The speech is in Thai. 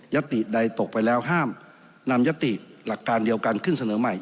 ติใดตกไปแล้วห้ามนำยติหลักการเดียวกันขึ้นเสนอใหม่